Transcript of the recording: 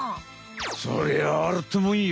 そりゃあるってもんよ。